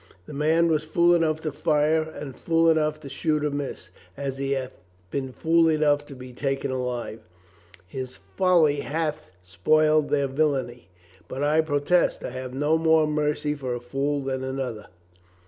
This man was fool enough to fire and fool enough to shoot amiss, as he hath been fool enough to be taken alive. His folly hath spoiled their villainy. But I protest I have no more mercy for a fool than another."